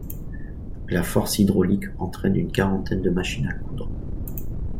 La force hydraulique entraîne une quarantaine de machines à coudre.